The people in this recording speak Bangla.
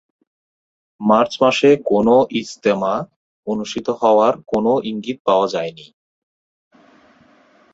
মার্চ মাসে কোনও "ইজতেমা" অনুষ্ঠিত হওয়ার কোনও ইঙ্গিত পাওয়া যায়নি।